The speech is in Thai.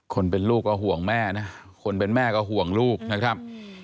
คนเป็นลูกก็ห่วงแม่นะคนเป็นแม่ก็ห่วงลูกนะครับ